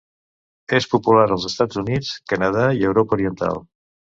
És popular als Estats Units, Canadà i Europa oriental.